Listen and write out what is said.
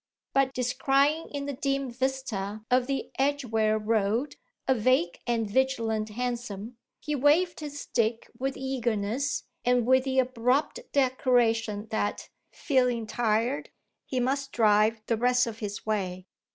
But descrying in the dim vista of the Edgware Road a vague and vigilant hansom he waved his stick with eagerness and with the abrupt declaration that, feeling tired, he must drive the rest of his way.